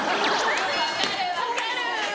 分かる分かる。